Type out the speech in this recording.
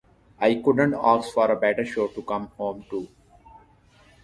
I couldn't ask for a better show to come home to...